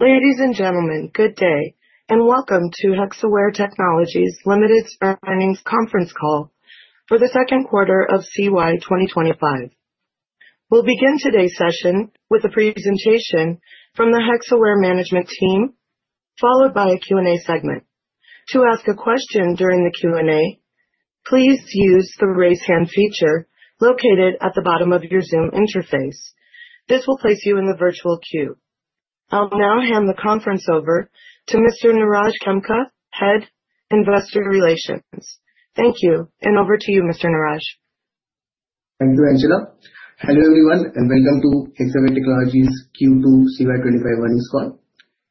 Ladies and gentlemen, good day, and Welcome to Hexaware Technologies Limited's Earnings Conference Call for the Q2 of CY 2025. We'll begin today's session with a presentation from the Hexaware Management Team, followed by a Q&A segment. To ask a question during the Q&A, please use the raise hand feature located at the bottom of your Zoom interface. This will place you in the virtual queue. I'll now hand the conference over to Mr. Niraj Khemka, Head of Investor Relations. Thank you, and over to you, Mr. Niraj. Thank you, Angela. Hello everyone, and welcome to Hexaware Technologies' Q2 CY 2025 earnings call.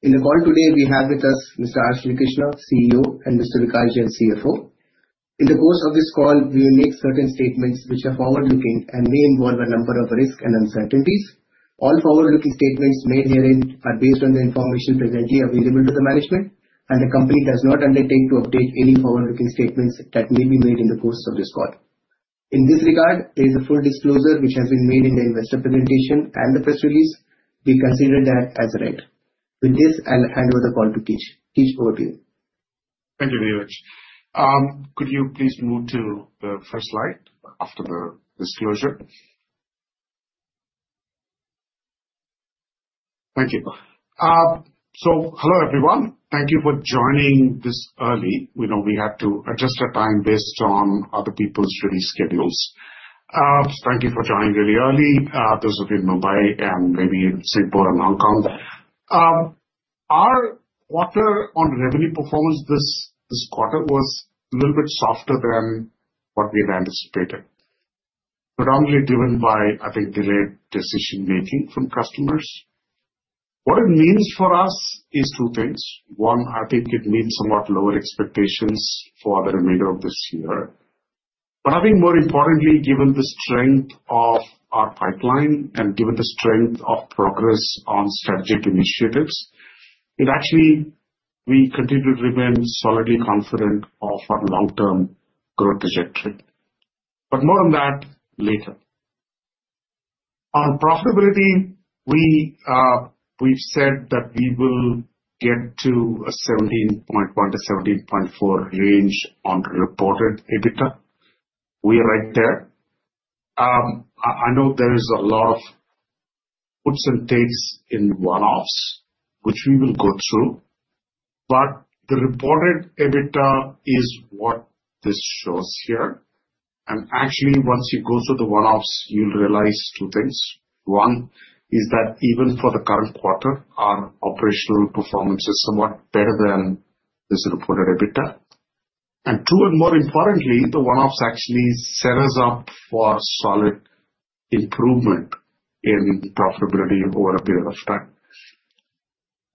In the call today, we have with us Mr. R. Srikrishna, CEO, and Mr. Vikash Jain, CFO. In the course of this call, we will make certain statements which are forward-looking and may involve a number of risks and uncertainties. All forward-looking statements made herein are based on the information presently available to the management, and the company does not undertake to update any forward-looking statements that may be made in the course of this call. In this regard, there is a full disclosure which has been made in the investor presentation and the press release. We consider that as read. With this, I'll hand over the call to Keech. Keech, over to you. Thank you, Niraj. Could you please move to the first slide after the disclosure? Thank you. So, hello everyone. Thank you for joining this early. We know we had to adjust our time based on other people's release schedules. Thank you for joining really early, those of you in Mumbai and maybe in Singapore and Hong Kong. Our quarter on revenue performance this quarter was a little bit softer than what we had anticipated, predominantly driven by, I think, delayed decision-making from customers. What it means for us is two things. One, I think it means somewhat lower expectations for the remainder of this year. But I think more importantly, given the strength of our pipeline and given the strength of progress on strategic initiatives, it actually we continue to remain solidly confident of our long-term growth trajectory. But more on that later. On profitability, we've said that we will get to a 17.1%-17.4% range on reported EBITDA. We are right there. I know there is a lot of puts and takes in one-offs, which we will go through, but the reported EBITDA is what this shows here. And actually, once you go through the one-offs, you'll realize two things. One is that even for the current quarter, our operational performance is somewhat better than this reported EBITDA. And two, and more importantly, the one-offs actually set us up for solid improvement in profitability over a period of time.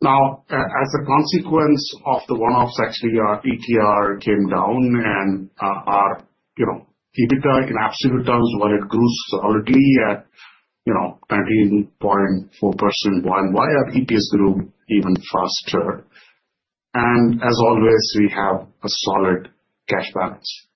Now, as a consequence of the one-offs, actually our ETR came down and our EBITDA in absolute terms, while it grew solidly at 13.4% YoY, our EPS grew even faster. And as always, we have a solid cash balance.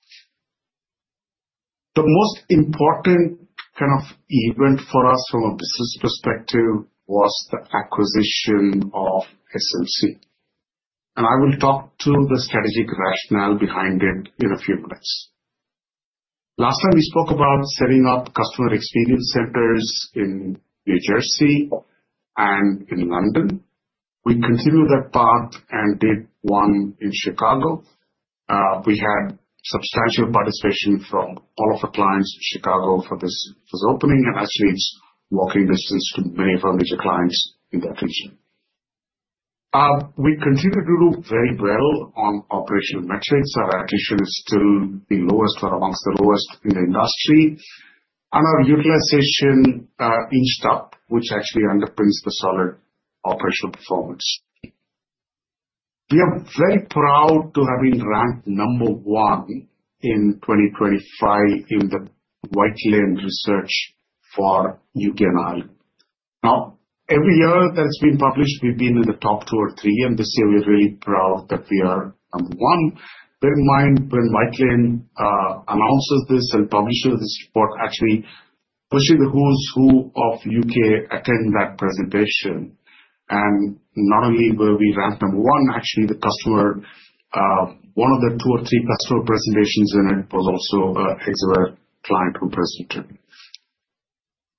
The most important kind of event for us from a business perspective was the acquisition of SMC. And I will talk to the strategic rationale behind it in a few minutes. Last time we spoke about setting up customer experience centers in New Jersey and in London. We continued that path and did one in Chicago. We had substantial participation from all of our clients in Chicago for this opening, and actually it's walking distance to many of our major clients in that region. We continue to do very well on operational metrics. Our attrition is still the lowest or among the lowest in the industry, and our utilization inched up, which actually underpins the solid operational performance. We are very proud to have been ranked number one in 2025 in the Whitelane Research for U.K. and Ireland. Now, every year that it's been published, we've been in the top two or three, and this year we're really proud that we are number one. Bear in mind, when Whitelane announces this and publishes this report, actually pushing the who's who of U.K. attend that presentation, and not only were we ranked number one, actually the customer, one of the two or three customer presentations in it was also a Hexaware client who presented.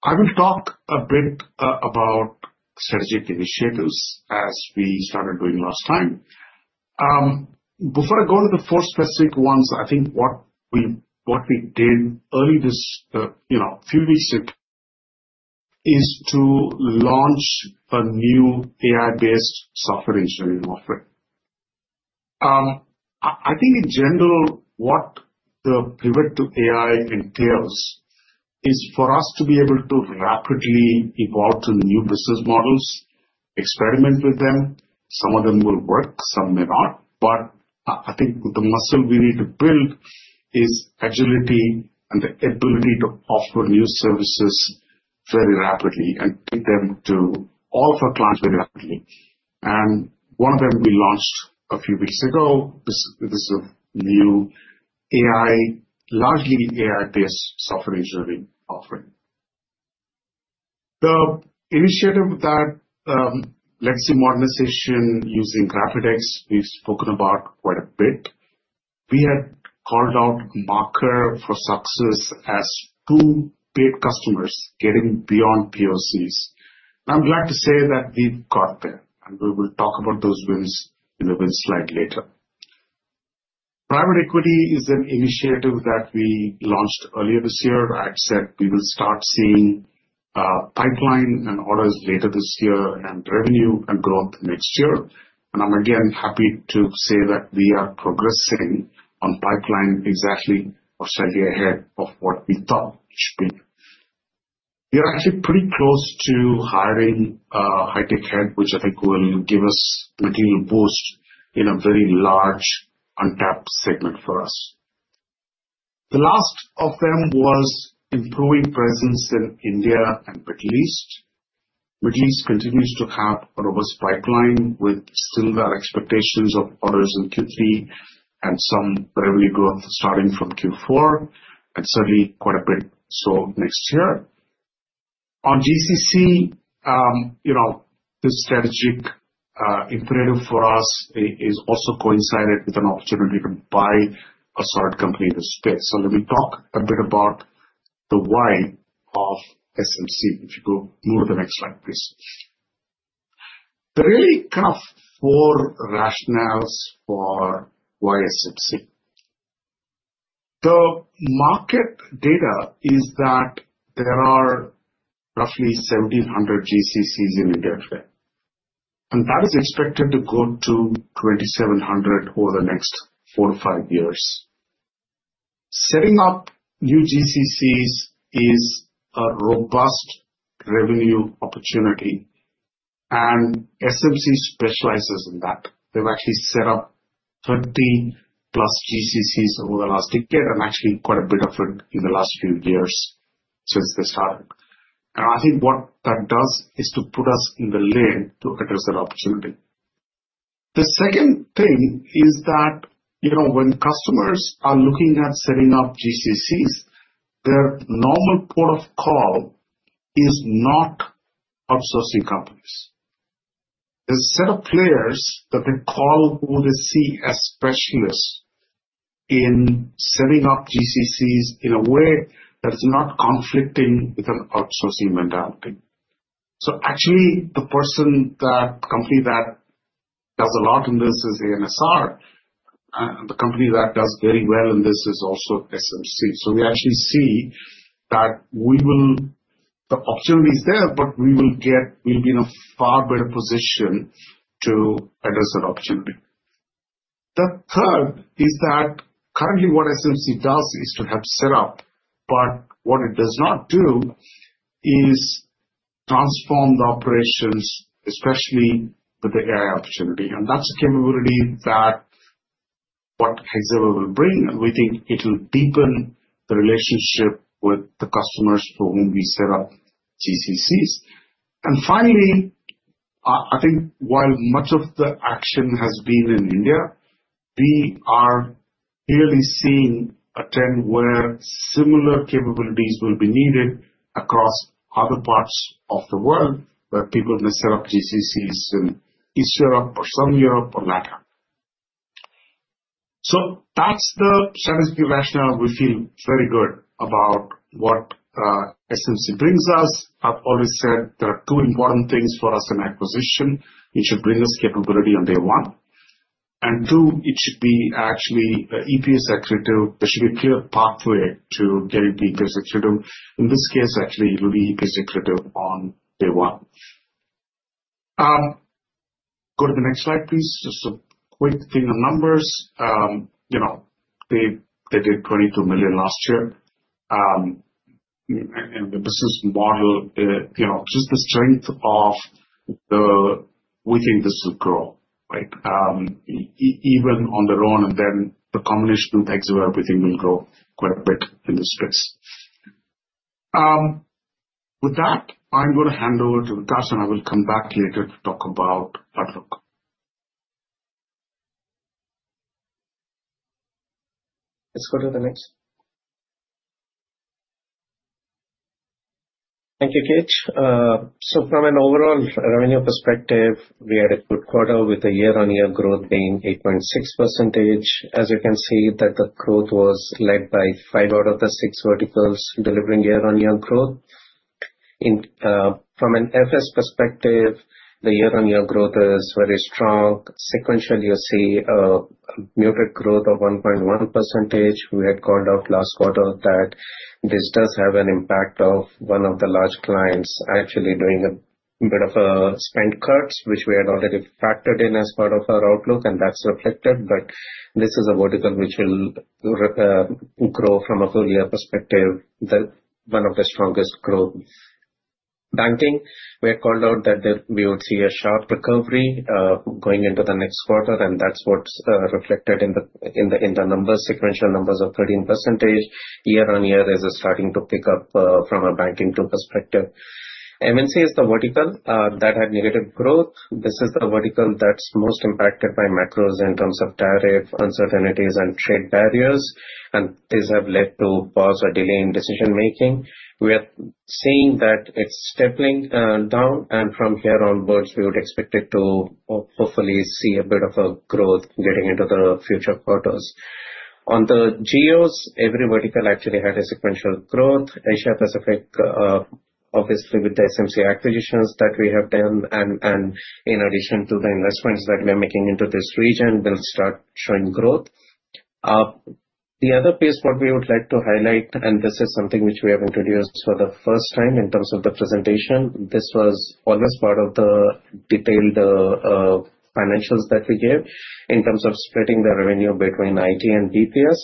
I will talk a bit about strategic initiatives as we started doing last time. Before I go to the four specific ones, I think what we did early this few weeks ago is to launch a new AI-based software engineering offering. I think in general, what the pivot to AI entails is for us to be able to rapidly evolve to new business models, experiment with them. Some of them will work, some may not, but I think the muscle we need to build is agility and the ability to offer new services very rapidly and take them to all of our clients very rapidly, and one of them we launched a few weeks ago. This is a new AI, largely AI-based software engineering offering. The initiative, that legacy modernization using RapidX, we've spoken about quite a bit. We had called out milestones for success as two paid customers getting beyond POCs. I'm glad to say that we've got there, and we will talk about those wins in the wins slide later. Private equity is an initiative that we launched earlier this year. I'd said we will start seeing pipeline and orders later this year and revenue and growth next year. I'm again happy to say that we are progressing on pipeline exactly or slightly ahead of what we thought we should be. We are actually pretty close to hiring a high-tech head, which I think will give us a material boost in a very large untapped segment for us. The last of them was improving presence in India and Middle East. Middle East continues to have a robust pipeline with still our expectations of orders in Q3 and some revenue growth starting from Q4 and certainly quite a bit so next year. On GCC, this strategic imperative for us has also coincided with an opportunity to buy a solid company in this space. So let me talk a bit about the why of SMC. If you go move to the next slide, please. There are really kind of four rationales for why SMC. The market data is that there are roughly 1,700 GCCs in India today, and that is expected to go to 2,700 over the next four to five years. Setting up new GCCs is a robust revenue opportunity, and SMC specializes in that. They've actually set up 30+ GCCs over the last decade and actually quite a bit of it in the last few years since they started. And I think what that does is to put us in the lane to address that opportunity. The second thing is that when customers are looking at setting up GCCs, their normal port of call is not outsourcing companies. There's a set of players that they call who they see as specialists in setting up GCCs in a way that's not conflicting with an outsourcing mentality. So actually, the company that does a lot in this is ANSR, and the company that does very well in this is also SMC. We actually see that the opportunity is there, but we will get, we'll be in a far better position to address that opportunity. The third is that currently what SMC does is to have set up, but what it does not do is transform the operations, especially with the AI opportunity. And that's a capability that what Hexaware will bring, and we think it'll deepen the relationship with the customers for whom we set up GCCs. And finally, I think while much of the action has been in India, we are clearly seeing a trend where similar capabilities will be needed across other parts of the world where people may set up GCCs in East Europe or Southern Europe or Latin. That's the strategic rationale. We feel very good about what SMC brings us. I've always said there are two important things for us in acquisition. It should bring us capability on day one. And two, it should be actually EPS accretive. There should be a clear pathway to getting the EPS accretive. In this case, actually, it'll be EPS accretive on day one. Go to the next slide, please. Just a quick thing on numbers. They did $22 million last year. The business model, just the strength of the, we think this will grow, right? Even on their own, and then the combination with Hexaware, everything will grow quite a bit in this space. With that, I'm going to hand over to Vikash and I will come back later to talk about Outlook. Let's go to the next. Thank you, Keech. From an overall revenue perspective, we had a good quarter with a year-on-year growth being 8.6%. As you can see, the growth was led by five out of the six verticals delivering year-on-year growth. From an FS perspective, the year-on-year growth is very strong. Sequentially, you see a muted growth of 1.1%. We had called out last quarter that this does have an impact of one of the large clients actually doing a bit of a spend cuts, which we had already factored in as part of our outlook, and that's reflected. But this is a vertical which will grow from a full year perspective, one of the strongest growth. Banking, we had called out that we would see a sharp recovery going into the next quarter, and that's what's reflected in the numbers, sequential numbers of 13%. Year-on-year is starting to pick up from a banking perspective. M&C is the vertical that had negative growth. This is the vertical that's most impacted by macros in terms of tariff uncertainties and trade barriers, and these have led to pause or delay in decision-making. We are seeing that it's stabilizing down, and from here onwards, we would expect it to hopefully see a bit of a growth getting into the future quarters. On the GEOs, every vertical actually had a sequential growth. Asia-Pacific, obviously with the SMC acquisitions that we have done, and in addition to the investments that we are making into this region, we'll start showing growth. The other piece what we would like to highlight, and this is something which we have introduced for the first time in terms of the presentation, this was always part of the detailed financials that we gave in terms of splitting the revenue between IT and BPS.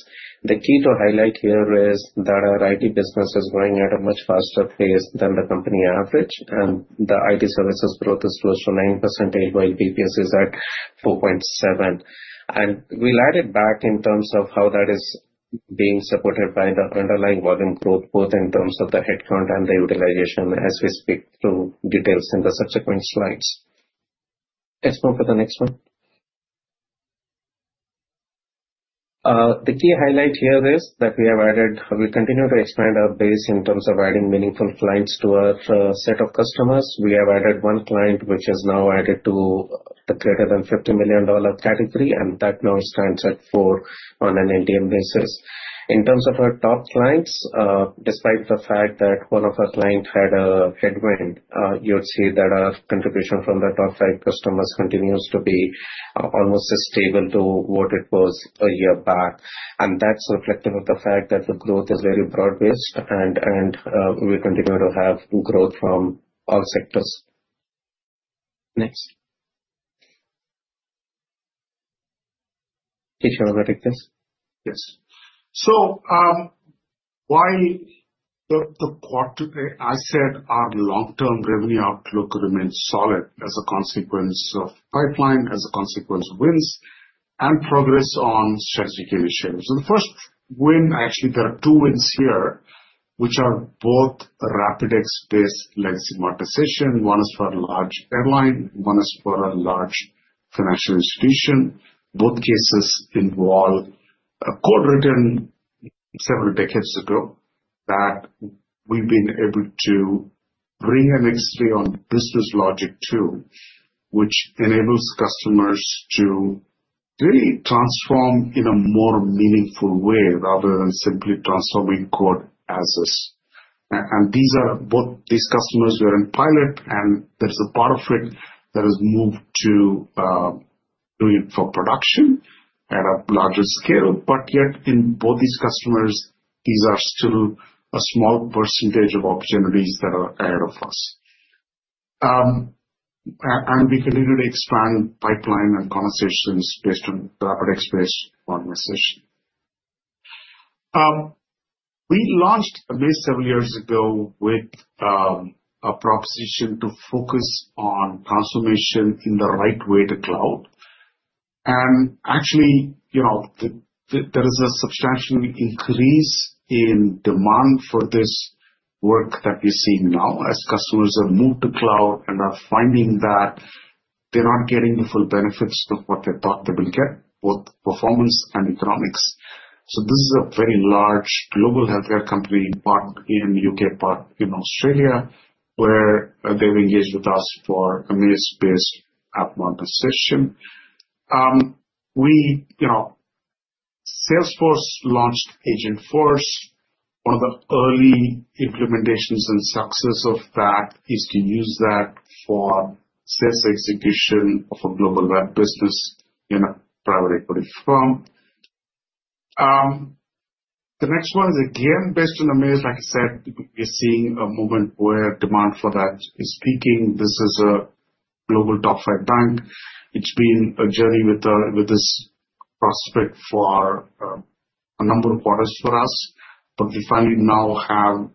The key to highlight here is that our IT business is growing at a much faster pace than the company average, and the IT services growth is close to 9%, while BPS is at 4.7%, and we'll add it back in terms of how that is being supported by the underlying volume growth, both in terms of the headcount and the utilization as we speak through details in the subsequent slides. Let's move to the next one. The key highlight here is that we have added, we continue to expand our base in terms of adding meaningful clients to our set of customers. We have added one client which is now added to the greater than $50 million category, and that now stands at four on an end-to-end basis. In terms of our top clients, despite the fact that one of our clients had a headwind, you would see that our contribution from the top five customers continues to be almost as stable to what it was a year back. And that's reflective of the fact that the growth is very broad-based, and we continue to have growth from all sectors. Next. Keech, you want to take this? Yes. In the quarter I said our long-term revenue outlook remains solid as a consequence of pipeline, as a consequence of wins, and progress on strategic initiatives. The first win, actually, there are two wins here which are both RapidX-based legacy modernization. One is for a large airline, one is for a large financial institution. Both cases involve a code written several decades ago that we've been able to bring an X-ray on business logic to, which enables customers to really transform in a more meaningful way rather than simply transforming code as is. And both these customers were in pilot, and there's a part of it that has moved to doing it for production at a larger scale. But yet in both these customers, these are still a small percentage of opportunities that are ahead of us. We continue to expand pipeline and conversations based on the RapidX-based modernization. We launched a base several years ago with a proposition to focus on transformation in the right way to cloud. Actually, there is a substantial increase in demand for this work that we're seeing now as customers have moved to cloud and are finding that they're not getting the full benefits of what they thought they will get, both performance and economics. This is a very large global healthcare company, part in the U.K., part in Australia, where they've engaged with us for an Amaze-based app modernization. Salesforce launched Agentforce. One of the early implementations and success of that is to use that for sales execution of a global web business in a private equity firm. The next one is again based on Amaze, like I said, we're seeing a moment where demand for that is peaking. This is a global top five bank. It's been a journey with this prospect for a number of orders for us, but we finally now have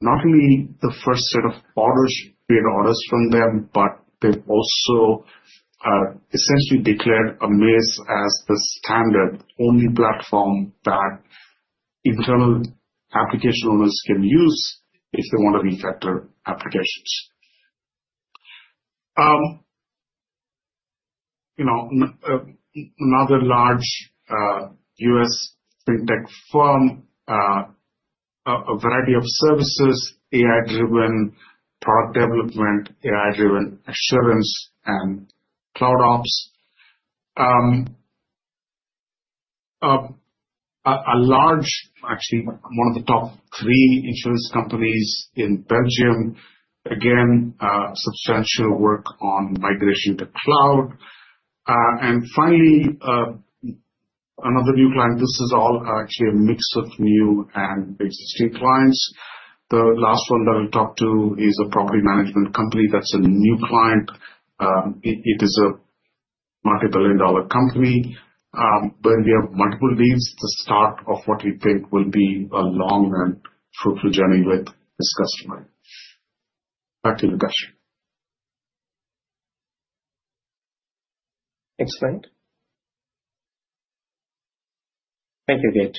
not only the first set of orders, paid orders from them, but they've also essentially declared Amaze as the standard only platform that internal application owners can use if they want to refactor applications. Another large U.S. fintech firm, a variety of services, AI-driven product development, AI-driven assurance, and cloud ops. A large, actually one of the top three insurance companies in Belgium. Again, substantial work on migration to cloud. And finally, another new client. This is all actually a mix of new and existing clients. The last one that I'll talk to is a property management company. That's a new client. It is a multi-billion-dollar company. When we have multiple leads, the start of what we think will be a long and fruitful journey with this customer. Back to Vikash. Excellent. Thank you, Keech.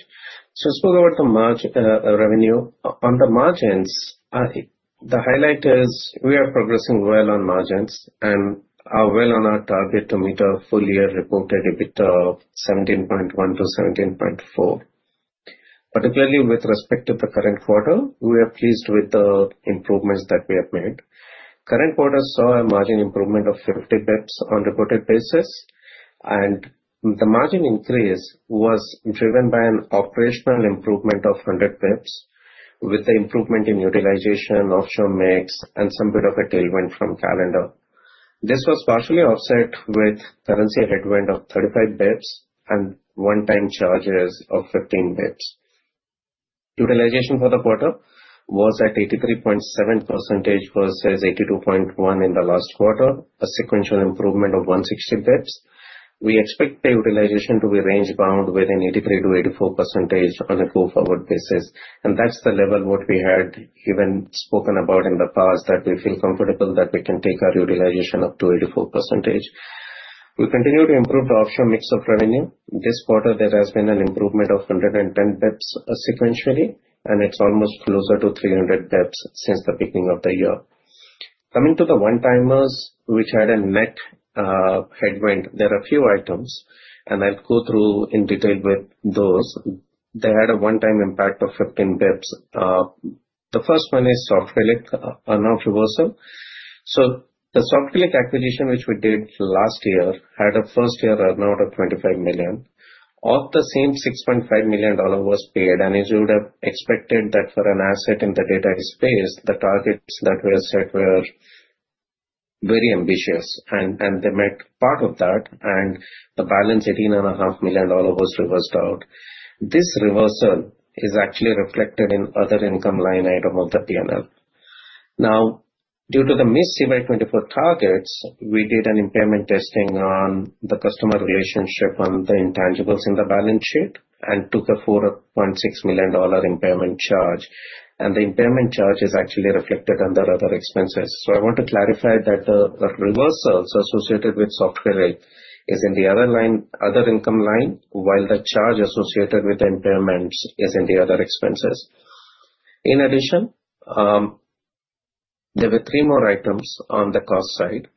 So we spoke about the margin revenue. On the margins, the highlight is we are progressing well on margins and are well on our target to meet a full year reported EBITDA of 17.1%-17.4%. Particularly with respect to the current quarter, we are pleased with the improvements that we have made. Current quarter saw a margin improvement of 50 basis points on reported basis, and the margin increase was driven by an operational improvement of 100 basis points with the improvement in utilization, offshore mix, and some bit of a tailwind from calendar. This was partially offset with currency headwind of 35 basis points and one-time charges of 15 basis points. Utilization for the quarter was at 83.7% versus 82.1% in the last quarter, a sequential improvement of 160 basis points. We expect the utilization to be range bound within 83%-84% on a go forward basis. And that's the level what we had even spoken about in the past that we feel comfortable that we can take our utilization up to 84%. We continue to improve the offshore mix of revenue. This quarter, there has been an improvement of 110 basis points sequentially, and it's almost closer to 300 basis points since the beginning of the year. Coming to the one-timers, which had a net headwind, there are a few items, and I'll go through in detail with those. They had a one-time impact of 15 basis points. The first one is Softcrylic, a reversal. So the Softcrylic acquisition, which we did last year, had a first-year earnout of $25 million. Of the same $6.5 million was paid, and as you would have expected that for an asset in the data space, the targets that were set were very ambitious, and they met part of that, and the balance, $18.5 million was reversed out. This reversal is actually reflected in other income line item of the P&L. Now, due to the missed CY24 targets, we did an impairment testing on the customer relationship on the intangibles in the balance sheet and took a $4.6 million impairment charge, and the impairment charge is actually reflected under other expenses, so I want to clarify that the reversals associated with Softcrylic is in the other line, other income line, while the charge associated with the impairments is in the other expenses. In addition, there were three more items on the cost side.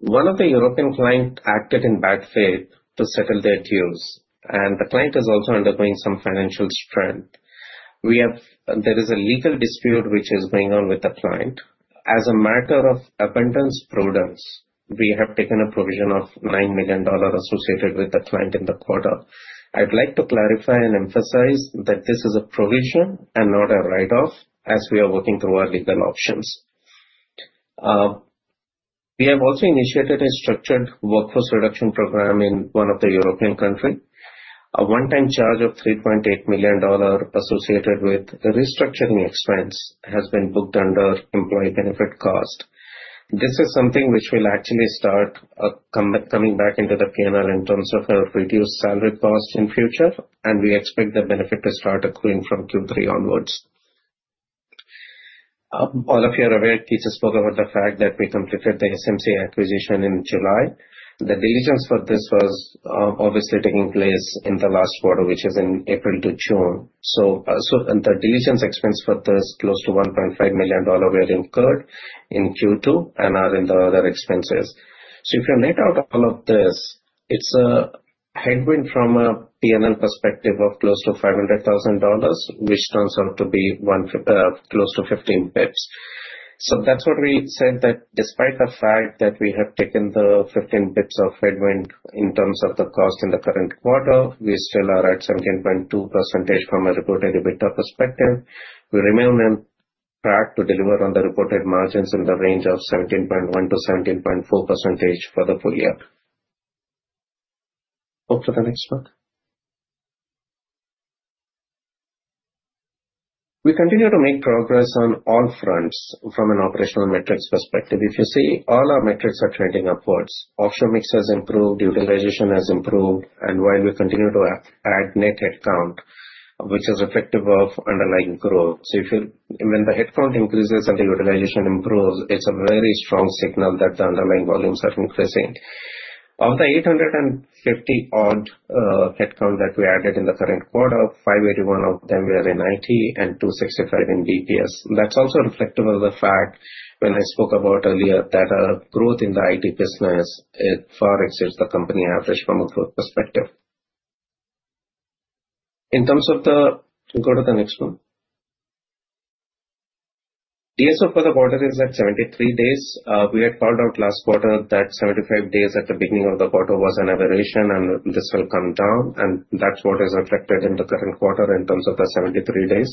One of the European clients acted in bad faith to settle their dues, and the client is also undergoing some financial stress. There is a legal dispute which is going on with the client. As a matter of abundant prudence, we have taken a provision of $9 million associated with the client in the quarter. I'd like to clarify and emphasize that this is a provision and not a write-off as we are working through our legal options. We have also initiated a structured workforce reduction program in one of the European countries. A one-time charge of $3.8 million associated with restructuring expense has been booked under employee benefit cost. This is something which will actually start coming back into the P&L in terms of a reduced salary cost in future, and we expect the benefit to start accruing from Q3 onwards. All of you are aware, Keech has spoke about the fact that we completed the SMC acquisition in July. The diligence for this was obviously taking place in the last quarter, which is in April to June. So the diligence expense for this, close to $1.5 million, were incurred in Q2 and are in the other expenses. So if you lay out all of this, it's a headwind from a P&L perspective of close to $500,000, which turns out to be close to 15 basis points. So that's what we said that despite the fact that we have taken the 15 basis points of headwind in terms of the cost in the current quarter, we still are at 17.2% from a reported EBITDA perspective. We remain on track to deliver on the reported margins in the range of 17.1%-17.4% for the full year. Hope for the next one. We continue to make progress on all fronts from an operational metrics perspective. If you see, all our metrics are trending upwards. Offshore mix has improved, utilization has improved, and while we continue to add net headcount, which is reflective of underlying growth. So when the headcount increases and the utilization improves, it's a very strong signal that the underlying volumes are increasing. Of the 850-odd headcount that we added in the current quarter, 581 of them were in IT and 265 in BPS. That's also reflective of the fact when I spoke about earlier that our growth in the IT business far exceeds the company average from a growth perspective. Go to the next one. DSO for the quarter is at 73 days. We had called out last quarter that 75 days at the beginning of the quarter was an aberration, and this will come down, and that's what is reflected in the current quarter in terms of the 73 days.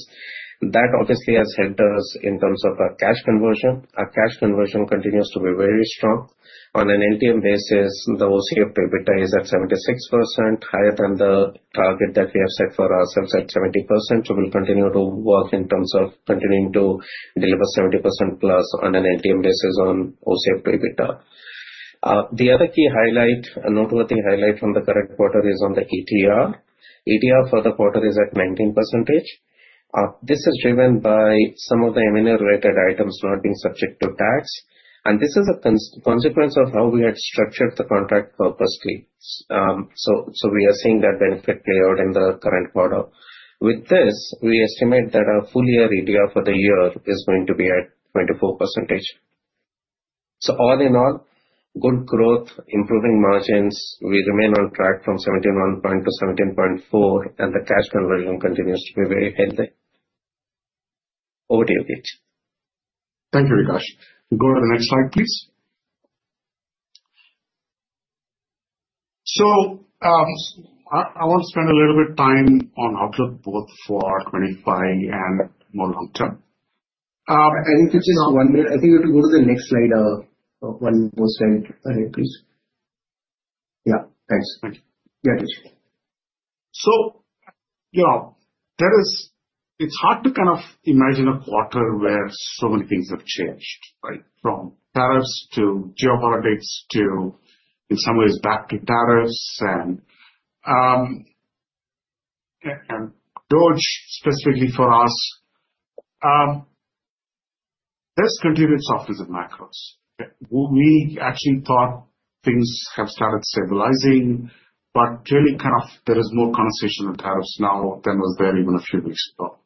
That obviously has helped us in terms of our cash conversion. Our cash conversion continues to be very strong. On an NTM basis, the OCF to EBITDA is at 76%, higher than the target that we have set for ourselves at 70%. So we'll continue to work in terms of continuing to deliver 70% plus on an NTM basis on OCF to EBITDA. The other key highlight, a noteworthy highlight from the current quarter, is on the ETR. ETR for the quarter is at 19%. This is driven by some of the M&A-related items not being subject to tax, and this is a consequence of how we had structured the contract purposely. So we are seeing that benefit play out in the current quarter. With this, we estimate that our full-year ETR for the year is going to be at 24%. So all in all, good growth, improving margins. We remain on track from 17.1%-17.4%, and the cash conversion continues to be very healthy. Over to you, Keech. Thank you, Vikash. Go to the next slide, please. So I want to spend a little bit of time on outlook both for 25 and more long-term. I think we have just one minute. I think we have to go to the next slide. One more slide. Ahead, please. Yeah. Thanks. Yeah, Keech. So it's hard to kind of imagine a quarter where so many things have changed, right? From tariffs to geopolitics to, in some ways, back to tariffs and DOGE specifically for us. There's continued softness in macros. We actually thought things have started stabilizing, but really kind of there is more conversation on tariffs now than was there even a few weeks ago.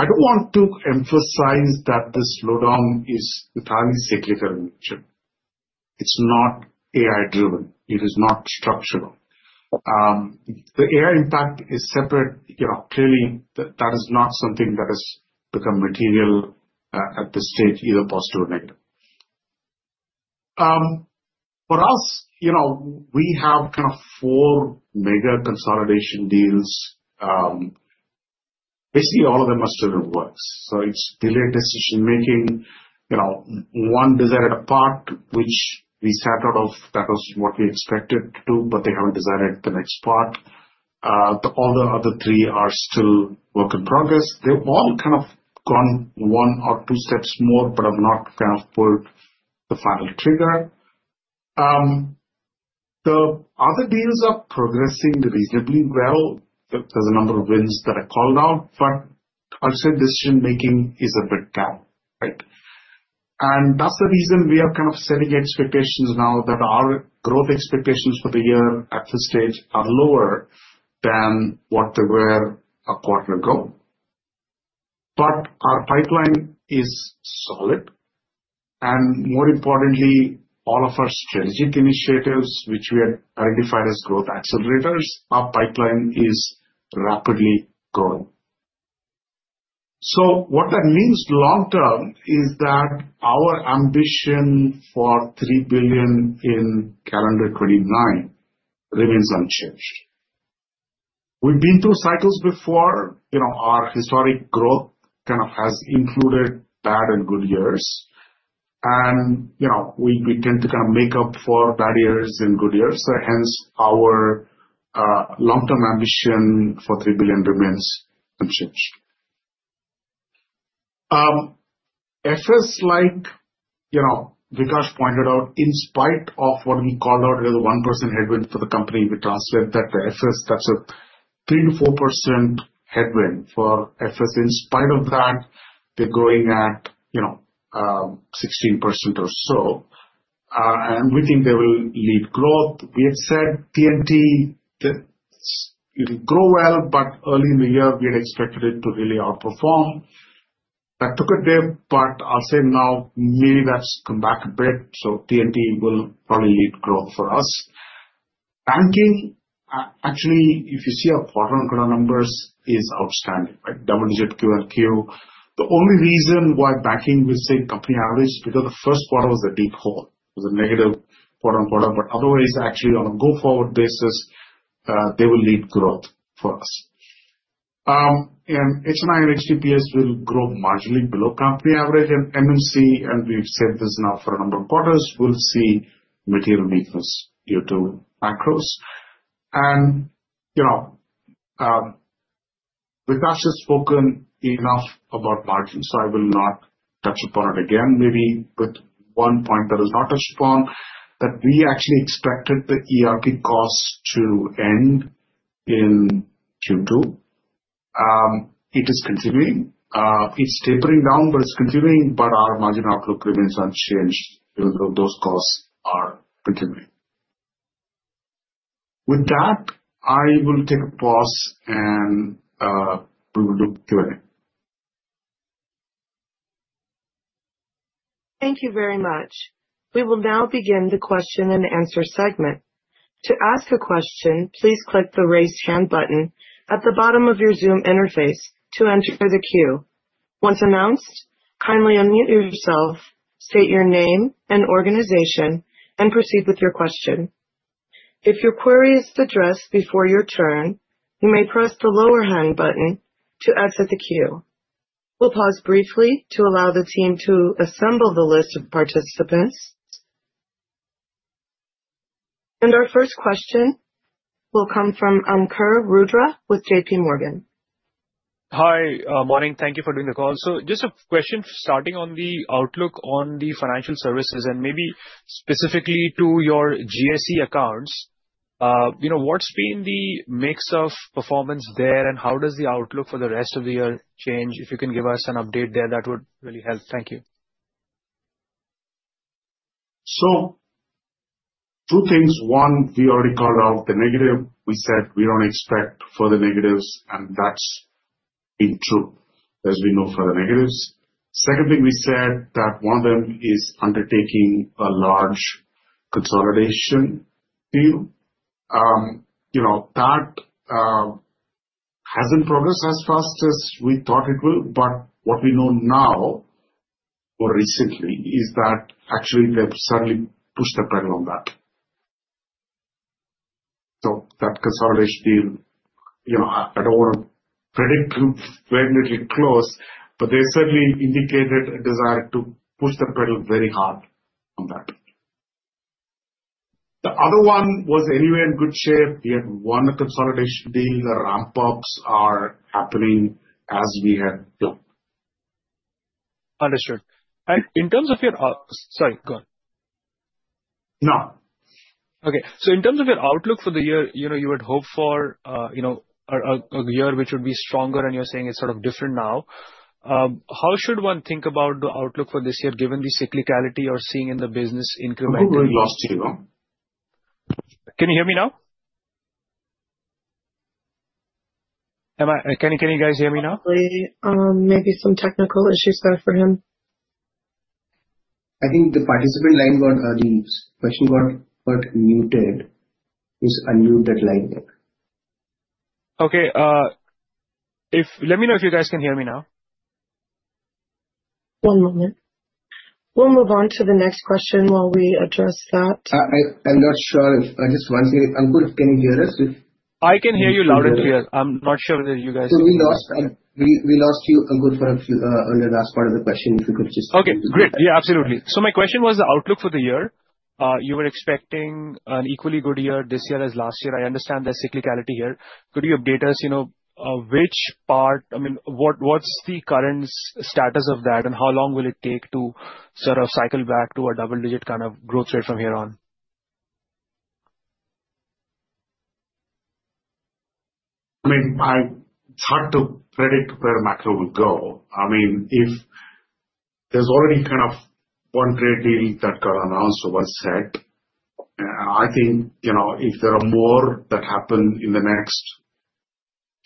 I don't want to emphasize that this slowdown is entirely cyclical in nature. It's not AI-driven. It is not structural. The AI impact is separate. Clearly, that is not something that has become material at this stage, either positive or negative. For us, we have kind of four mega consolidation deals. Basically, all of them are still in works. So it's delayed decision-making. One decided a part, which we sat out of. That was what we expected to do, but they haven't decided the next part. All the other three are still work in progress. They've all kind of gone one or two steps more, but have not kind of pulled the final trigger. The other deals are progressing reasonably well. There's a number of wins that are called out, but ultimate decision-making is a bit down, right? And that's the reason we are kind of setting expectations now that our growth expectations for the year at this stage are lower than what they were a quarter ago. But our pipeline is solid. And more importantly, all of our strategic initiatives, which we had identified as growth accelerators, our pipeline is rapidly growing. So what that means long-term is that our ambition for $3 billion in calendar 2029 remains unchanged. We've been through cycles before. Our historic growth kind of has included bad and good years. We tend to kind of make up for bad years and good years. Hence, our long-term ambition for $3 billion remains unchanged. IT, like Vikash pointed out, in spite of what we called out as a 1% headwind for the company, we translate that to IT that's a 3%-4% headwind for IT. In spite of that, they're going at 16% or so. We think they will lead growth. We had said TNT, it'll grow well, but early in the year, we had expected it to really outperform. That took a dip, but I'll say now maybe that's come back a bit. TNT will probably lead growth for us. Banking, actually, if you see our quarter-on-quarter numbers, is outstanding, right? Double-digit QLQ. The only reason why banking will sink company average is because the first quarter was a deep hole. It was a negative quarter-on-quarter. But otherwise, actually, on a go-forward basis, they will lead growth for us. And H&I and HTPS will grow marginally below company average. And M&C, and we've said this now for a number of quarters, will see material weakness due to macros. And Vikash has spoken enough about margins, so I will not touch upon it again. Maybe with one point that is not touched upon, that we actually expected the ERP cost to end in Q2. It is continuing. It's tapering down, but it's continuing. But our margin outlook remains unchanged, even though those costs are continuing. With that, I will take a pause, and we will do Q&A. Thank you very much. We will now begin the question-and-answer segment. To ask a question, please click the raise hand button at the bottom of your Zoom interface to enter the queue. Once announced, kindly unmute yourself, state your name and organization, and proceed with your question. If your query is addressed before your turn, you may press the lower hand button to exit the queue. We'll pause briefly to allow the team to assemble the list of participants, and our first question will come from Ankur Rudra with J.P. Morgan. Hi, morning. Thank you for doing the call. So just a question starting on the outlook on the financial services and maybe specifically to your GSE accounts. What's been the mix of performance there, and how does the outlook for the rest of the year change? If you can give us an update there, that would really help. Thank you. So, two things. One, we already called out the negative. We said we don't expect further negatives, and that's been true, as we know further negatives. Second thing, we said that one of them is undertaking a large consolidation deal. That hasn't progressed as fast as we thought it will, but what we know now more recently is that actually they've certainly pushed the pedal on that. So that consolidation deal, I don't want to predict very little close, but they certainly indicated a desire to push the pedal very hard on that. The other one was anywhere in good shape. We had one consolidation deal. The ramp-ups are happening as we have planned. Understood. In terms of your, sorry, go ahead. No. Okay. So in terms of your outlook for the year, you had hoped for a year which would be stronger, and you're saying it's sort of different now. How should one think about the outlook for this year given the cyclicality you're seeing in the business incrementing? We lost you. Can you hear me now? Can you guys hear me now? Sorry. Maybe some technical issues there for him. I think the participant's line got the question got muted. Please unmute that line there. Okay. Let me know if you guys can hear me now. One moment. We'll move on to the next question while we address that. I'm not sure. Just one second. Ankur, can you hear us? I can hear you loud and clear. I'm not sure whether you guys can hear me. So we lost you, Ankur, for a few on the last part of the question, if you could just. Okay. Great. Yeah, absolutely. So my question was the outlook for the year. You were expecting an equally good year this year as last year. I understand there's cyclicality here. Could you update us which part I mean, what's the current status of that, and how long will it take to sort of cycle back to a double-digit kind of growth rate from here on? I mean, it's hard to predict where macro will go. I mean, if there's already kind of one trade deal that got announced or was set, I think if there are more that happen in the next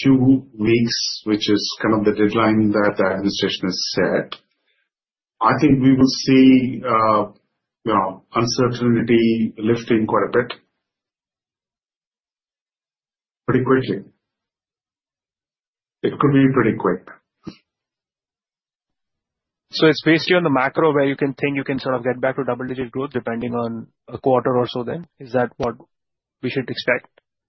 two weeks, which is kind of the deadline that the administration has set, I think we will see uncertainty lifting quite a bit pretty quickly. It could be pretty quick. So it's based here on the macro where you can think you can sort of get back to double-digit growth depending on a quarter or so then? Is that what we should expect?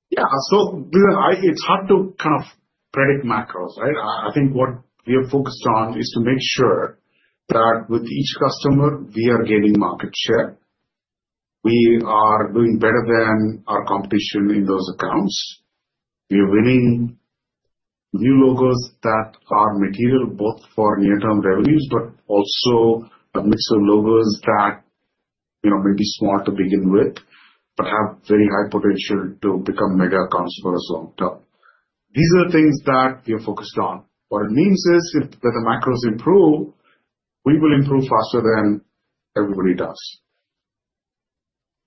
Yeah. So it's hard to kind of predict macros, right? I think what we have focused on is to make sure that with each customer, we are gaining market share. We are doing better than our competition in those accounts. We are winning new logos that are material both for near-term revenues, but also a mix of logos that may be small to begin with, but have very high potential to become mega accounts for us long-term. These are the things that we have focused on. What it means is if the macros improve, we will improve faster than everybody does.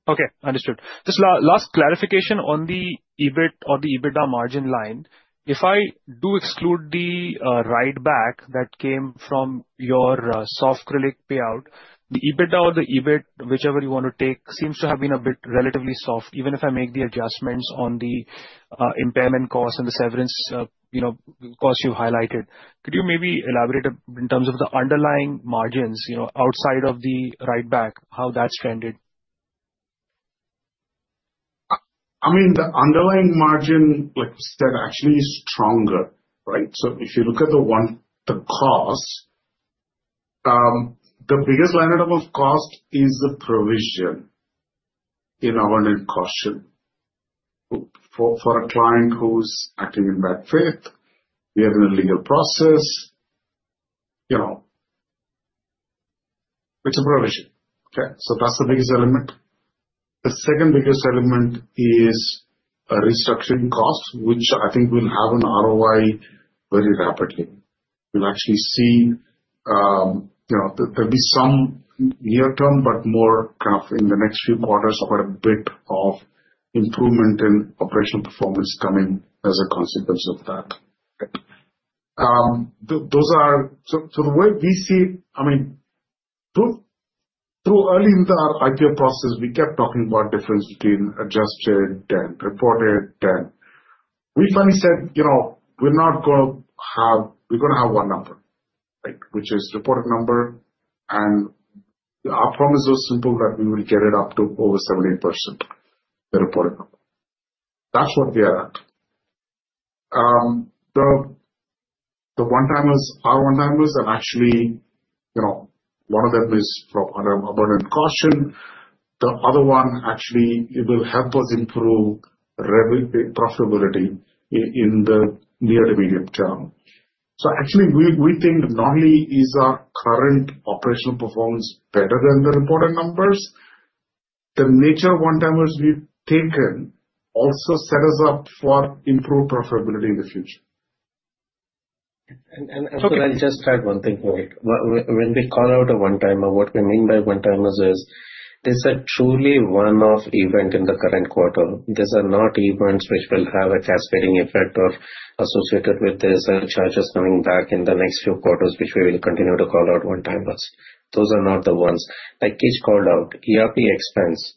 Okay. Understood. Just last clarification on the EBITDA margin line. If I do exclude the write-back that came from your Softcrylic payout, the EBITDA or the EBIT, whichever you want to take, seems to have been a bit relatively soft, even if I make the adjustments on the impairment cost and the severance cost you've highlighted. Could you maybe elaborate in terms of the underlying margins outside of the write-back, how that's trended? I mean, the underlying margin, like we said, actually is stronger, right? So if you look at the cost, the biggest line item of cost is the provision in our income statement. For a client who's acting in bad faith, we have an in legal process. It's a provision, okay? So that's the biggest element. The second biggest element is restructuring cost, which I think will have an ROI very rapidly. We'll actually see there'll be some near-term, but more kind of in the next few quarters, quite a bit of improvement in operational performance coming as a consequence of that. So the way we see, I mean, through early in the IPO process, we kept talking about difference between adjusted and reported. And we finally said, "We're not going to have we're going to have one number," right, which is reported number. And our promise was simple that we will get it up to over 70%, the reported number. That's what we are at. The one-timers, our one-timers, and actually one of them is from abundant caution. The other one actually will help us improve profitability in the near to medium term. So actually, we think not only is our current operational performance better than the reported numbers, the nature of one-timers we've taken also set us up for improved profitability in the future. I'll just add one thing here. When we call out a one-timer, what we mean by one-timers is they're truly one-off event in the current quarter. These are not events which will have a cascading effect or associated with these charges coming back in the next few quarters, which we will continue to call out one-timers. Those are not the ones. Like Keech called out, ERP expense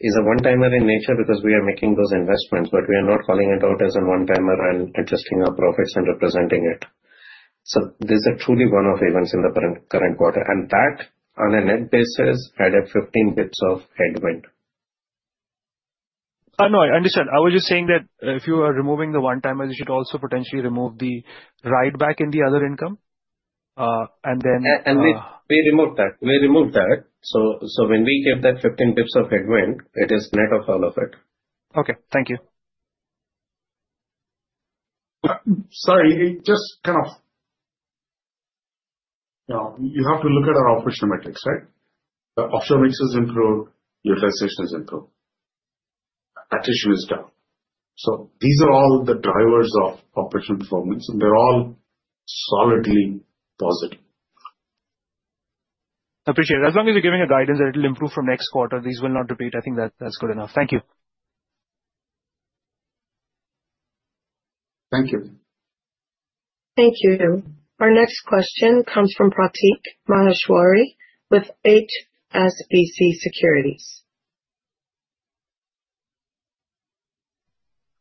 is a one-timer in nature because we are making those investments, but we are not calling it out as a one-timer and adjusting our profits and representing it. So these are truly one-off events in the current quarter. That, on a net basis, added 15 basis points of headwind. No, I understand. I was just saying that if you are removing the one-timers, you should also potentially remove the write-back in the other income. And then. We removed that. We removed that. When we gave that 15 basis points of headwind, it is net of all of it. Okay. Thank you. Sorry. Just kind of you have to look at our operational metrics, right? The operational metrics have improved. Utilization has improved. Attrition is down. So these are all the drivers of operational performance, and they're all solidly positive. Appreciate it. As long as you're giving a guidance that it'll improve from next quarter, these will not repeat. I think that's good enough. Thank you. Thank you. Thank you. Our next question comes from Prateek Maheshwari with HSBC Securities.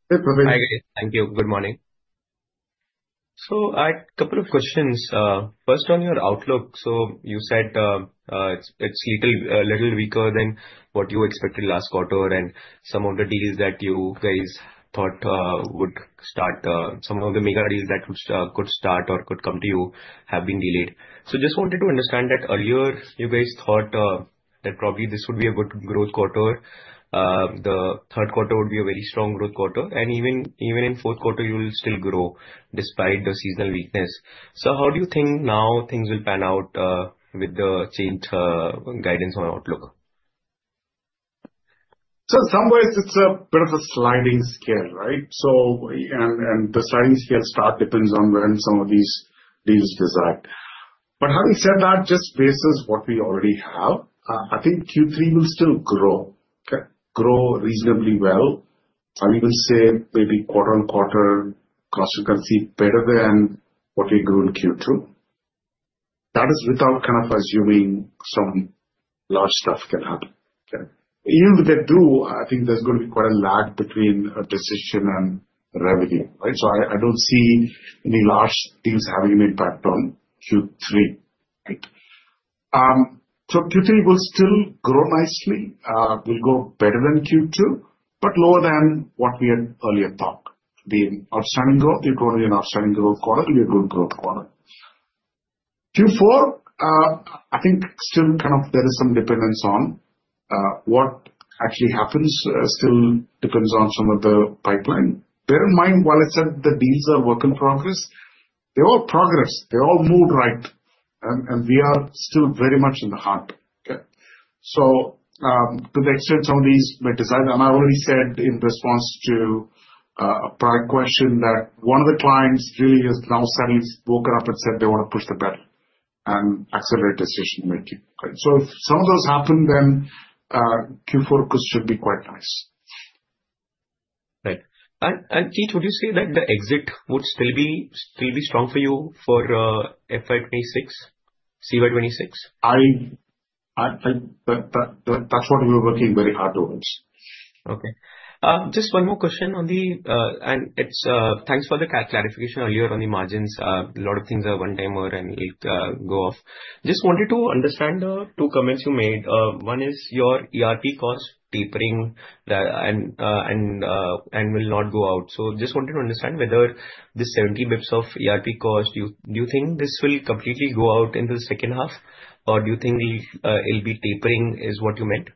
Hey, Prateek. Hi, guys. Thank you. Good morning. So I had a couple of questions. First, on your outlook, so you said it's a little weaker than what you expected last quarter, and some of the deals that you guys thought would start, some of the mega deals that could start or could come to you, have been delayed. So just wanted to understand that earlier, you guys thought that probably this would be a good growth quarter. The Q4 would be a very strong growth quarter. And even in Q4, you will still grow despite the seasonal weakness. So how do you think now things will pan out with the changed guidance on outlook? So in some ways, it's a bit of a sliding scale, right? And the sliding scale starts depends on when some of these deals close. But having said that, just based on what we already have, I think Q3 will still grow reasonably well. I'm even saying maybe quarter-on-quarter, growth is going to be better than what we grew in Q2. That is without kind of assuming some large stuff can happen. Even if they do, I think there's going to be quite a lag between a decision and revenue, right? So I don't see any large deals having an impact on Q3, right? So Q3 will still grow nicely. We'll grow better than Q2, but lower than what we had earlier thought. The outstanding growth, it will be an outstanding growth quarter. We have good growth quarter. Q4, I think, still kind of there is some dependence on what actually happens still depends on some of the pipeline. Bear in mind, while I said the deals are work in progress, they're all progress. They all moved right. And we are still very much in the hunt. So to the extent some of these may decide, and I already said in response to a prior question that one of the clients really has now suddenly woken up and said they want to push the pedal and accelerate decision-making. So if some of those happen, then Q4 should be quite nice. Right. And Keech, would you say that the exit would still be strong for you for FY26, CY26? That's what we're working very hard towards. Okay. Just one more question on the end and thanks for the clarification earlier on the margins. A lot of things are one-timer and will go off. Just wanted to understand two comments you made. One is your ERP cost tapering and will not go out. So just wanted to understand whether the 70 basis points of ERP cost, do you think this will completely go out in the second half, or do you think it'll be tapering is what you meant?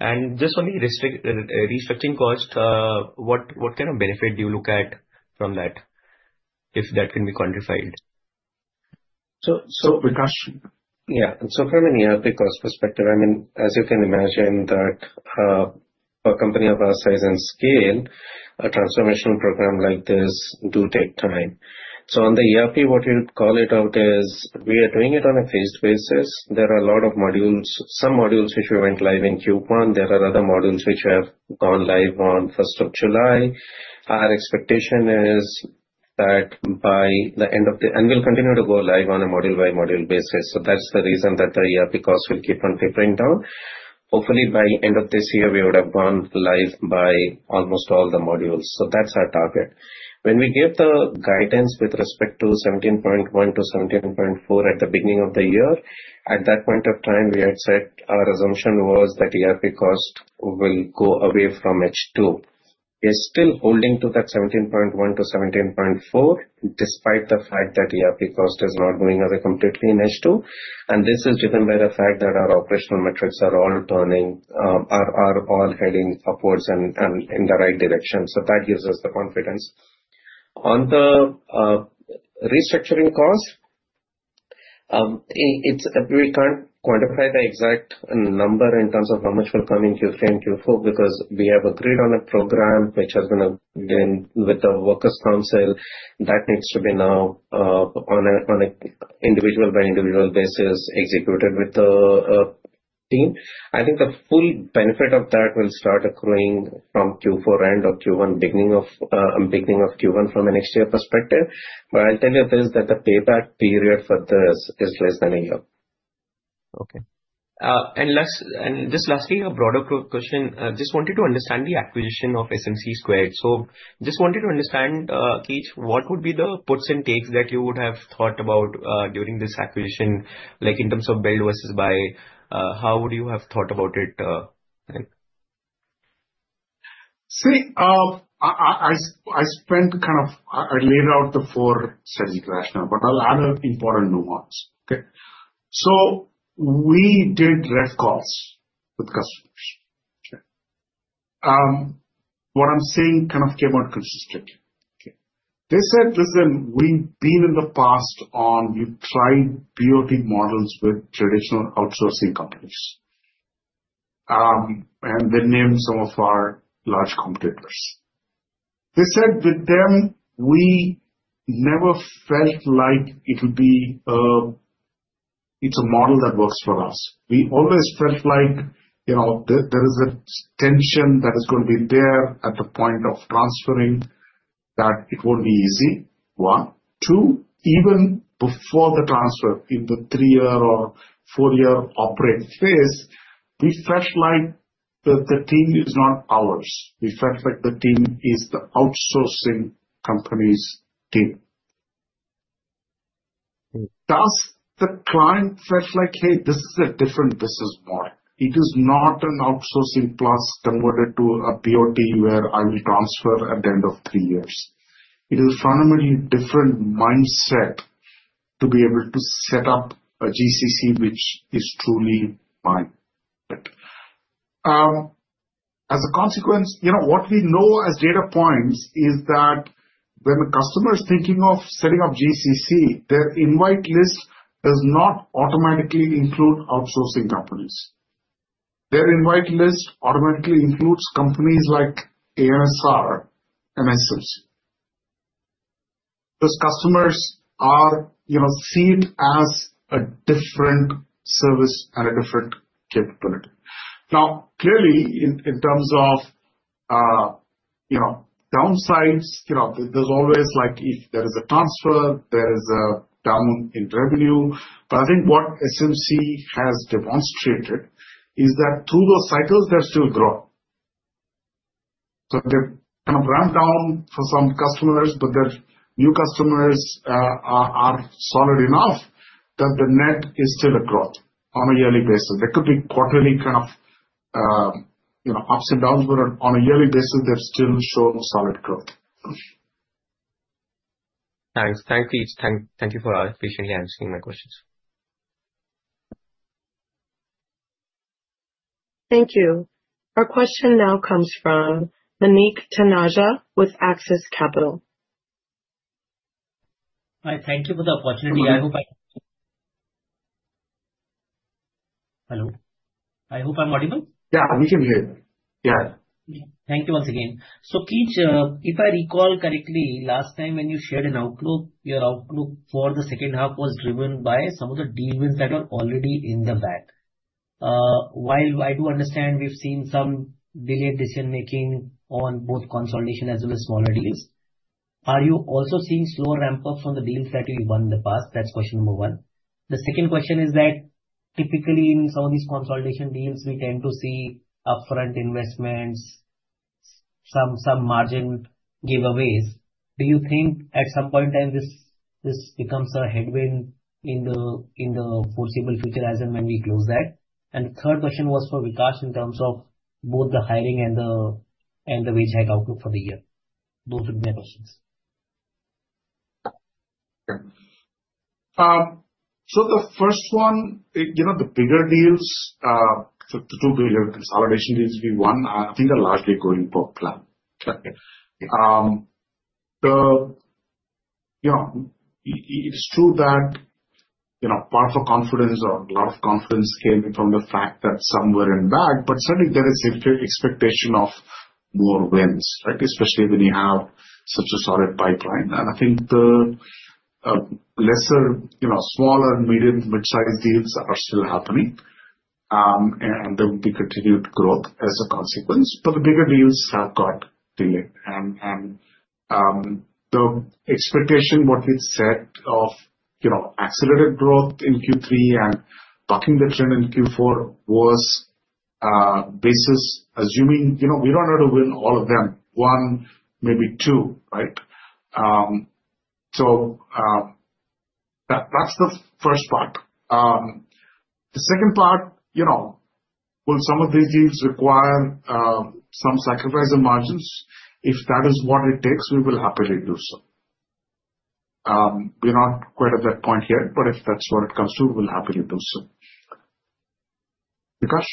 And just on the restructuring cost, what kind of benefit do you look at from that if that can be quantified? Yeah. So from an ERP cost perspective, I mean, as you can imagine, for a company of our size and scale, a transformational program like this does take time. So on the ERP, what we would call it out is we are doing it on a phased basis. There are a lot of modules, some modules which we went live in Q1. There are other modules which have gone live on 1st of July 2025. Our expectation is that by the end of the year and we'll continue to go live on a module-by-module basis. So that's the reason that the ERP cost will keep on tapering down. Hopefully, by the end of this year, we would have gone live by almost all the modules. So that's our target. When we gave the guidance with respect to 17.1&-17.4% at the beginning of the year, at that point of time, we had said our assumption was that ERP cost will go away from H2. We are still holding to that 17.1%-17.4% despite the fact that ERP cost is not going away completely in H2. And this is driven by the fact that our operational metrics are all turning, are all heading upwards and in the right direction. So that gives us the confidence. On the restructuring cost, we can't quantify the exact number in terms of how much will come in Q3 and Q4 because we have agreed on a program which has been with the workers' council that needs to be now on an individual-by-individual basis executed with the team. I think the full benefit of that will start occurring from Q4 end or Q1, beginning of Q1 from a next-year perspective. But I'll tell you this that the payback period for this is less than a year. Okay and just lastly, a broader question. Just wanted to understand the acquisition of SMC Squared. So just wanted to understand, Keech, what would be the puts and takes that you would have thought about during this acquisition, like in terms of build versus buy? How would you have thought about it? See, I laid out the four strategic rationale, but I'll add an important nuance, okay? So we did rev calls with customers. What I'm saying kind of came out consistently. They said, "Listen, we've been in the past on we've tried BOT models with traditional outsourcing companies." And they named some of our large competitors. They said with them, we never felt like it would be a it's a model that works for us. We always felt like there is a tension that is going to be there at the point of transferring that it won't be easy. One. Two, even before the transfer in the three-year or four-year operate phase, we felt like the team is not ours. We felt like the team is the outsourcing company's team. Thus, the client felt like, "Hey, this is a different business model. It is not an outsourcing plus converted to a BOT where I will transfer at the end of three years." It is a fundamentally different mindset to be able to set up a GCC, which is truly mine. As a consequence, what we know as data points is that when a customer is thinking of setting up GCC, their invite list does not automatically include outsourcing companies. Their invite list automatically includes companies like ANSR and SMC. Those customers are seen as a different service and a different capability. Now, clearly, in terms of downsides, there's always like if there is a transfer, there is a down in revenue. But I think what SMC has demonstrated is that through those cycles, they're still growing. So they've kind of ramped down for some customers, but their new customers are solid enough that the net is still a growth on a yearly basis. There could be quarterly kind of ups and downs, but on a yearly basis, they've still shown solid growth. Thanks. Thanks, Keech. Thank you for allowing me to answer my questions. Thank you. Our question now comes from Manik Taneja with Axis Capital. Hi. Thank you for the opportunity. I hope I. Hello? I hope I'm audible? Yeah. We can hear you. Yeah. Thank you once again. So Keech, if I recall correctly, last time when you shared an outlook, your outlook for the second half was driven by some of the deals that are already in the bag. While I do understand we've seen some delayed decision-making on both consolidation as well as smaller deals, are you also seeing slower ramp-ups on the deals that you won in the past? That's question number one. The second question is that typically in some of these consolidation deals, we tend to see upfront investments, some margin giveaways. Do you think at some point in time this becomes a headwind in the foreseeable future as and when we close that? And the third question was for Vikash in terms of both the hiring and the wage hike outlook for the year. Those would be my questions. So the first one, the bigger deals, the two bigger consolidation deals we won, I think are largely going per plan. It's true that part of the confidence or a lot of confidence came from the fact that some were in bag, but certainly there is expectation of more wins, right? Especially when you have such a solid pipeline. And I think the lesser, smaller, medium, mid-sized deals are still happening. And there will be continued growth as a consequence. But the bigger deals have got delayed. And the expectation, what we'd said of accelerated growth in Q3 and bucking the trend in Q4 was basis assuming we don't have to win all of them. One, maybe two, right? So that's the first part. The second part, will some of these deals require some sacrifice of margins? If that is what it takes, we will happily do so. We're not quite at that point yet, but if that's what it comes to, we'll happily do so. Vikash?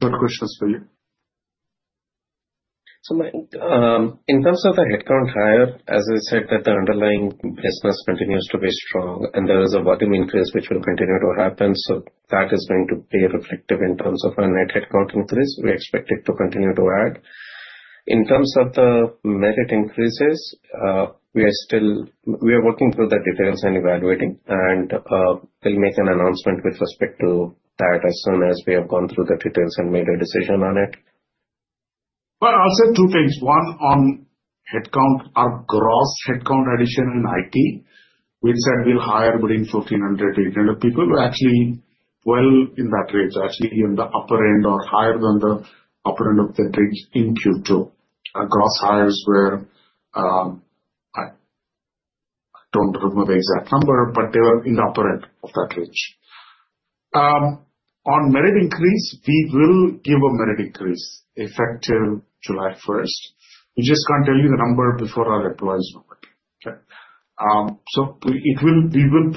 Third question is for you. So in terms of the headcount hire, as I said, that the underlying business continues to be strong, and there is a volume increase which will continue to happen. So that is going to be reflective in terms of our net headcount increase. We expect it to continue to add. In terms of the merit increases, we are working through the details and evaluating. And we'll make an announcement with respect to that as soon as we have gone through the details and made a decision on it. I'll say two things. One on headcount, our gross headcount addition in IT, we said we'll hire between 1,400 to 800 people. We're actually well in that range, actually in the upper end or higher than the upper end of that range in Q2. Our gross hires were, I don't remember the exact number, but they were in the upper end of that range. On merit increase, we will give a merit increase effective July 1st 2025. We just can't tell you the number before our employees know it. So we will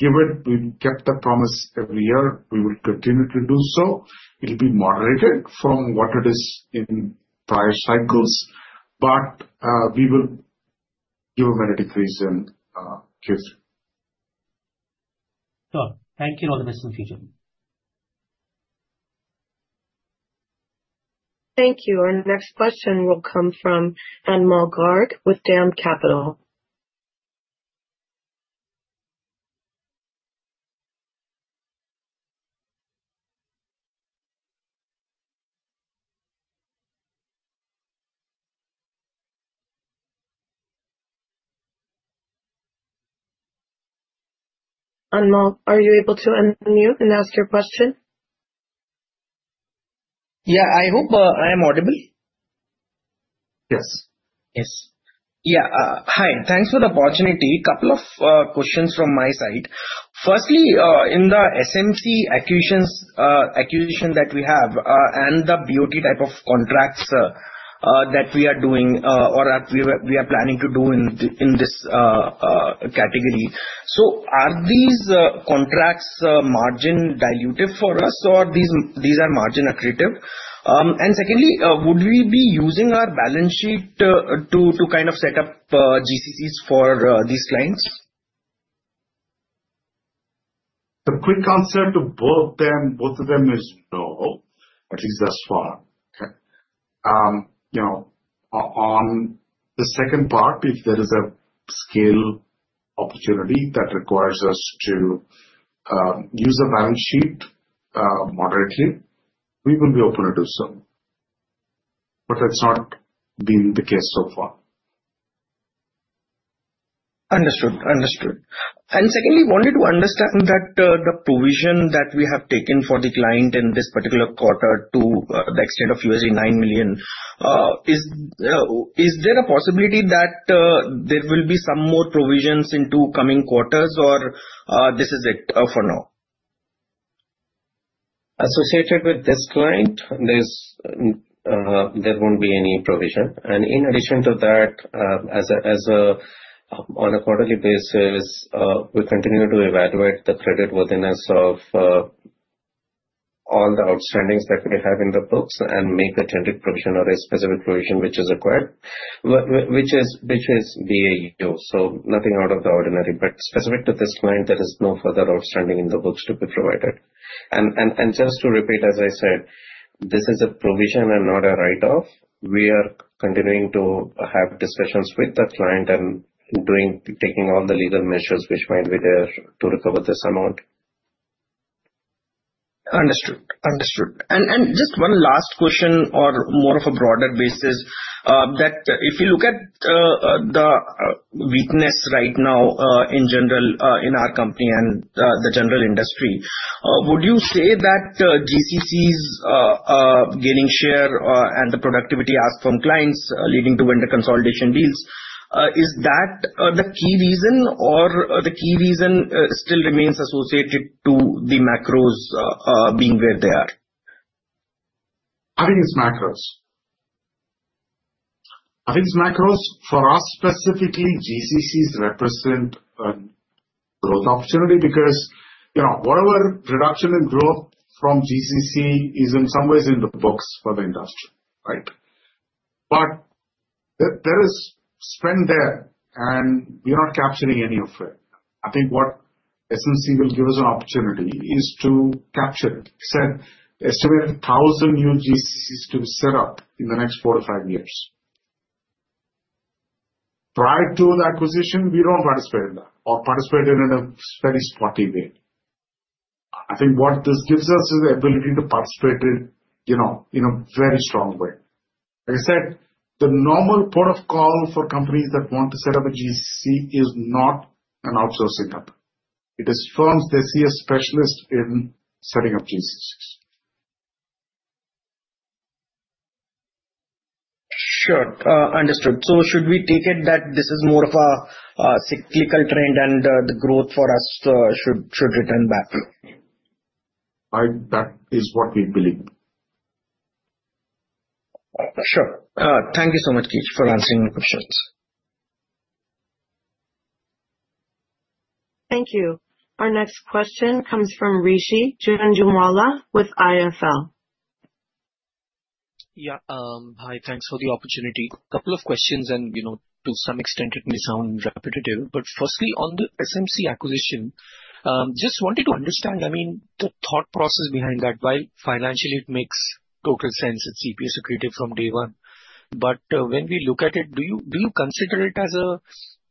give it. We kept the promise every year. We will continue to do so. It will be moderated from what it is in prior cycles. But we will give a merit increase in Q3. Sure. Thank you. [inaudible] Thank you. Our next question will come from Anmol Garg with DAM Capital. Anmol, are you able to unmute and ask your question? Yeah. I hope I am audible. Yes. Yes. Yeah. Hi. Thanks for the opportunity. A couple of questions from my side. Firstly, in the SMC acquisition that we have and the BOT type of contracts that we are doing or that we are planning to do in this category, so are these contracts margin dilutive for us, or these are margin accretive? And secondly, would we be using our balance sheet to kind of set up GCCs for these clients? The quick answer to both of them is no, at least thus far. On the second part, if there is a scale opportunity that requires us to use a balance sheet moderately, we will be open to do so. But that's not been the case so far. Understood. Understood. And secondly, wanted to understand that the provision that we have taken for the client in this particular quarter to the extent of $9 million, is there a possibility that there will be some more provisions into coming quarters, or this is it for now? Associated with this client, there won't be any provision. In addition to that, on a quarterly basis, we continue to evaluate the creditworthiness of all the outstandings that we have in the books and make a tentative provision or a specific provision which is required, which is BAU. Nothing out of the ordinary. Specific to this client, there is no further outstanding in the books to be provided. Just to repeat, as I said, this is a provision and not a write-off. We are continuing to have discussions with the client and taking all the legal measures which might be there to recover this amount. Understood. Understood. And just one last question or more of a broader basis that if you look at the weakness right now in general in our company and the general industry, would you say that GCCs gaining share and the productivity ask from clients leading to vendor consolidation deals, is that the key reason or the key reason still remains associated to the macros being where they are? I think it's macros. I think it's macros. For us specifically, GCCs represent a growth opportunity because whatever reduction in growth from GCC is in some ways in the books for the industry, right? But there is spend there, and we're not capturing any of it. I think what SMC will give us an opportunity is to capture it. They said estimated 1,000 new GCCs to be set up in the next four to five years. Prior to the acquisition, we don't participate in that or participate in it in a very spotty way. I think what this gives us is the ability to participate in a very strong way. Like I said, the normal port of call for companies that want to set up a GCC is not an outsourcing company. It is firms they see a specialist in setting up GCCs. Sure. Understood. So should we take it that this is more of a cyclical trend and the growth for us should return back? That is what we believe. Sure. Thank you so much, Keech, for answering my questions. Thank you. Our next question comes from Rishi Jhunjhunwala with IIFL. Yeah. Hi. Thanks for the opportunity. A couple of questions, and to some extent, it may sound repetitive. But firstly, on the SMC acquisition, just wanted to understand, I mean, the thought process behind that. While financially, it makes total sense. It's EPS accretive from day one. But when we look at it, do you consider it as a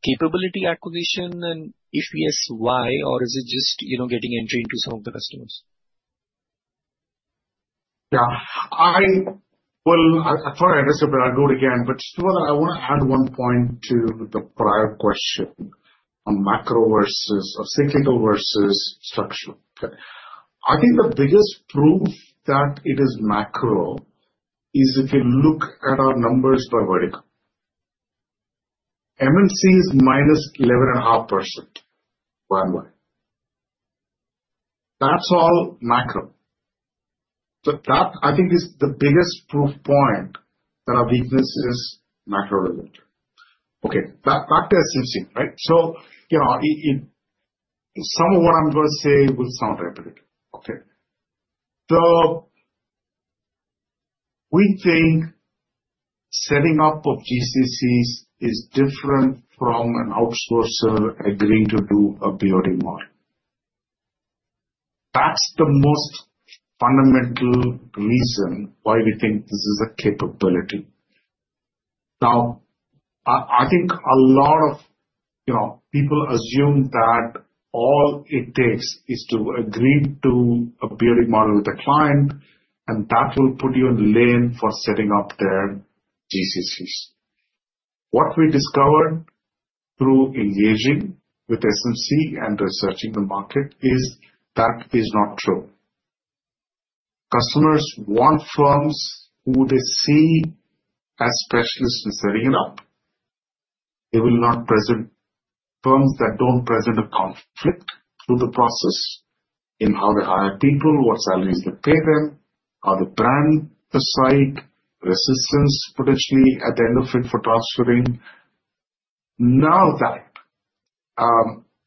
capability acquisition? And if yes, why? Or is it just getting entry into some of the customers? Yeah. I thought I'd answered, but I'll do it again. But, too. Well, I want to add one point to the prior question on macro versus cyclical versus structural. I think the biggest proof that it is macro is if you look at our numbers by vertical. M&C is -11.5%. Why? That's all macro. That, I think, is the biggest proof point that our weakness is macro-related. Okay. Back to SMC, right? Some of what I'm going to say will sound repetitive. Okay. We think setting up of GCCs is different from an outsourcer agreeing to do a BOT model. That's the most fundamental reason why we think this is a capability. Now, I think a lot of people assume that all it takes is to agree to a BOT model with a client, and that will put you in the lane for setting up their GCCs. What we discovered through engaging with SMC and researching the market is that it is not true. Customers want firms who they see as specialists in setting it up. They will not present firms that don't present a conflict through the process in how they hire people, what salaries they pay them, how they brand the site, resistance potentially at the end of it for transferring. Now that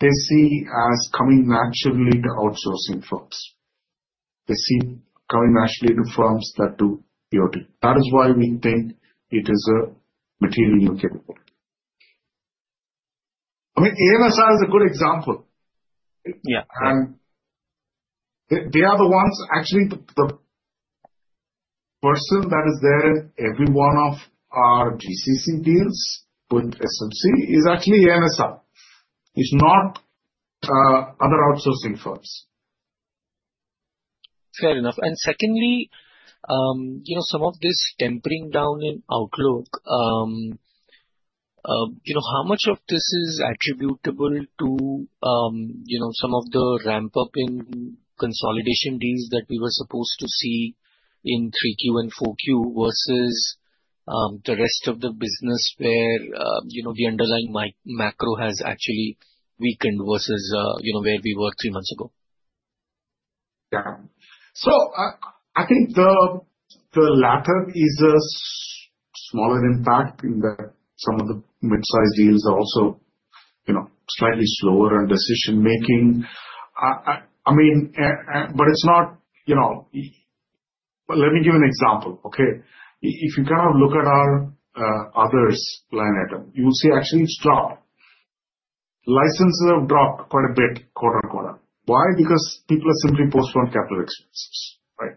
they see as coming naturally to outsourcing firms. They see coming naturally to firms that do BOT. That is why we think it is a material new capability. I mean, ANSR is a good example. They are the ones. Actually, the person that is there in every one of our GCC deals with SMC is actually ANSR. It's not other outsourcing firms. Fair enough. And secondly, some of this tempering down in outlook, how much of this is attributable to some of the ramp-up in consolidation deals that we were supposed to see in Q3 and Q4 versus the rest of the business where the underlying macro has actually weakened versus where we were three months ago? Yeah. So I think the latter is a smaller impact in that some of the mid-size deals are also slightly slower on decision-making. I mean, but it's not. Let me give you an example, okay? If you kind of look at our Others line item, you will see actually it's dropped. Licenses have dropped quite a bit, quarter to quarter. Why? Because people are simply postponing capital expenses, right?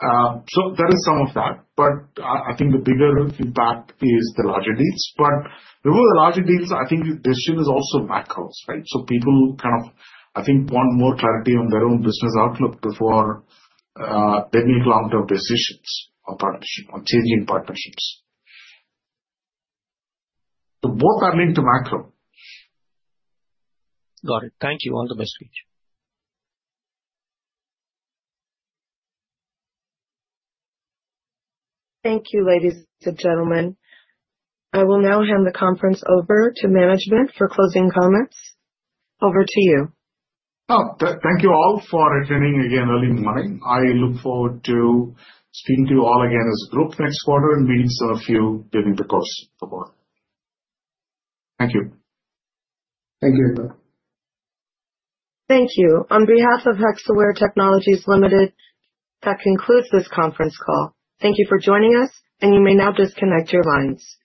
So there is some of that. But I think the bigger impact is the larger deals. But remember, the larger deals, I think the decision is also macros, right? So people kind of, I think, want more clarity on their own business outlook before they make long-term decisions on partnership, on changing partnerships. So both are linked to macro. Got it. Thank you. All the best, Keech. Thank you, ladies and gentlemen. I will now hand the conference over to management for closing comments. Over to you. Oh, thank you all for attending again early in the morning. I look forward to speaking to you all again as a group next quarter and meeting some of you during the course of the quarter. Thank you. Thank you. Thank you. On behalf of Hexaware Technologies Limited, that concludes this conference call. Thank you for joining us, and you may now disconnect your lines.